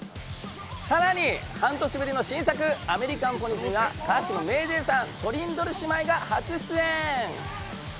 さらに半年ぶりの新作、アメリカンポリスには歌手のＭａｙＪ．さん、トリンドル姉妹が初出演。